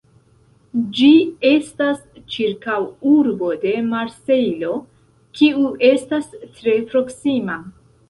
Ĝi estas ĉirkaŭurbo de Marsejlo, kiu estas tre proksima.